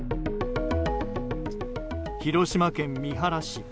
広島県三原市。